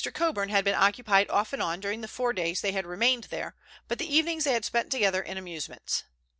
Coburn had been occupied off and on during the four days they had remained there, but the evenings they had spent together in amusements.